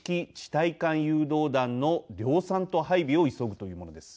対艦誘導弾の量産と配備を急ぐというものです。